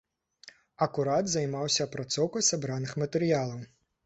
Акурат займаўся апрацоўкай сабраных матэрыялаў.